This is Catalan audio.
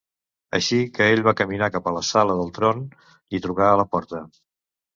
Així que ell va caminar cap a la sala del tron i trucà a la porta.